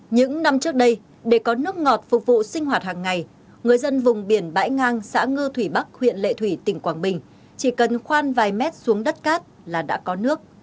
những năm trước đây để có nước ngọt phục vụ sinh hoạt hàng ngày người dân vùng biển bãi ngang xã ngư thủy bắc huyện lệ thủy tỉnh quảng bình chỉ cần khoan vài mét xuống đất cát là đã có nước